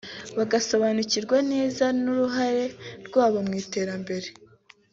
bagasobanukirwa neza n’uruhare rwabo mu iterambere